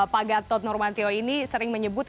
pak gatot nurmantio ini sering menyebut